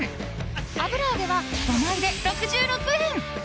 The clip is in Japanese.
油揚げは５枚で６６円。